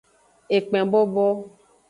Ekpen bobo.